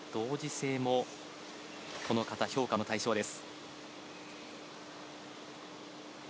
同時性もこの形、評価の対象です。